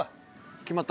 決まった？